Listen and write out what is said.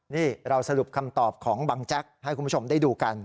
นี่เราสรุปคำตอบของบังแจ๊กให้คุณผู้ชมได้ดูกัน